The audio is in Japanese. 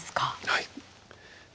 はい。